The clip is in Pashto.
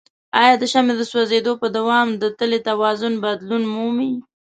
آیا د شمع د سوځیدو په دوام د تلې توازن بدلون مومي؟